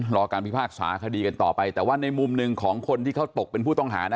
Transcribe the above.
รอการพิพากษาคดีกันต่อไปแต่ว่าในมุมหนึ่งของคนที่เขาตกเป็นผู้ต้องหานะ